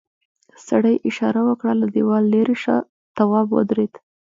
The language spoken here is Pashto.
سړي اشاره وکړه له دیوال ليرې شه تواب ودرېد.